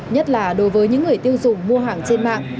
nhất là đối với những người tiêu dùng mua hàng trên mạng